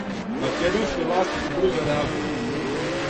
Македонске власти су брзо реаговале.